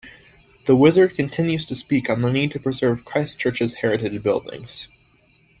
The Wizard continues to speak on the need to preserve Christchurch's heritage buildings.